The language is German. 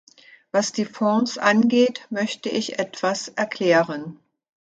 Was die Fonds angeht, möchte ich etwas erklären.